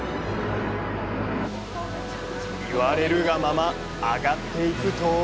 言われるがまま上がっていくと。